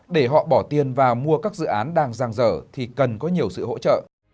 để họ bỏ tiền và mua các dự án đang giang dở thì cần có nhiều sự hỗ trợ